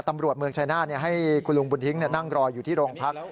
เมืองชายนาฏให้คุณลุงบุญทิ้งนั่งรออยู่ที่โรงพัก